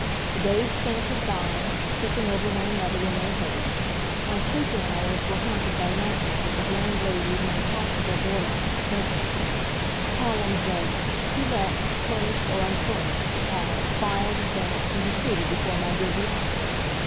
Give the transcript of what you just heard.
The days scampered by, tripping over one another in their haste. My sleeping hours were haunted by nightmares of landladies and impossible boarding house bedrooms. Columns of "To Let, Furnished or Unfurnished" ads filed, advanced, and retreated before my dizzy eyes.